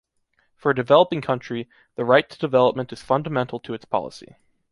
For a developing country, the right to development is fundamental to its policy.